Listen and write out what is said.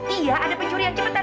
iya ada pencurian cepetan pak